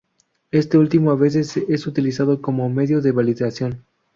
Este último a veces es utilizado como medio de validación.